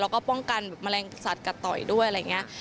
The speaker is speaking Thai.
แล้วก็ป้องกันแบบแมลงสัตวกัดต่อยด้วยอะไรอย่างนี้